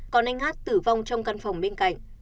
còn anh hát tử vong trong căn phòng bên cạnh